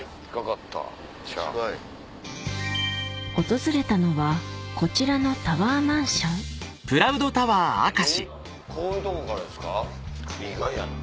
訪れたのはこちらのタワーマンションえっ